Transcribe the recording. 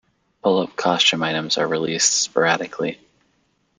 Pullip Costume items are released sporadically.